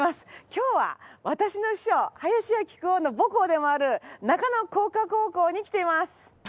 今日は私の師匠林家木久扇の母校でもある中野工科高校に来ています。